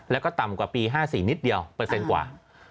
แล้วก็ต่ำกว่าปี๕๔นิดเดียวเปอร์เซ็นต์กว่า